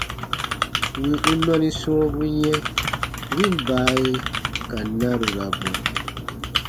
Wì u nɔni sɔ̃ɔbu yɛ̃, win baaye ka narurabu.